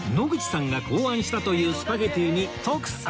野口さんが考案したというスパゲティに徳さん